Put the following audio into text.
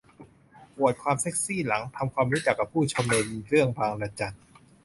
อวดความเซ็กซี่หลังทำความรู้จักกับผู้ชมในเรื่องบางระจัน